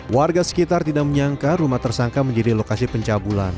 warga sekitar tidak menyangka rumah tersangka menjadi lokasi pencabulan